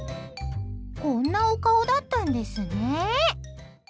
こんなお顔だったんですね。